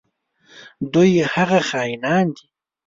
دوی هغه خاینان دي.